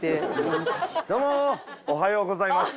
おはようございます。